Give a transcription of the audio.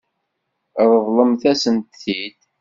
Ṛeḍlemt-asen-t-id.